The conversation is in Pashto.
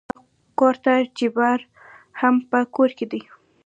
راځه کورته جبار هم په کور کې دى.